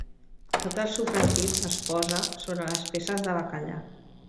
Tot el sofregit es posa sobre les peces de bacallà.